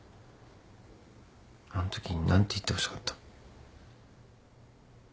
あんとき何て言ってほしかった？